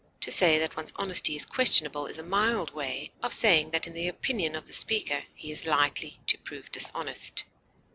To say that one's honesty is questionable is a mild way of saying that in the opinion of the speaker he is likely to prove dishonest.